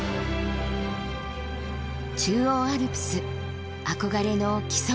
中央アルプス憧れの木曽駒ヶ岳。